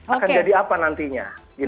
akan jadi apa nantinya